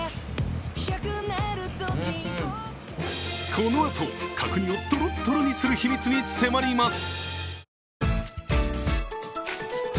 このあと角煮をトロットロにする秘密に迫ります。